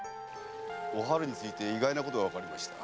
お春について意外なことがわかりました。